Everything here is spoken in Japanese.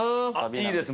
いいです。